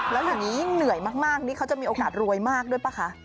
แล้วอย่างนี้ยิ่งเหนื่อยมากนี่เขาจะมีโอกาสรวยมากด้วยป่ะคะ